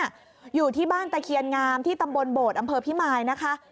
อยู่ที่บ้านตะเคียนงามที่ตำบลโบดอำเภอพิมายนะคะ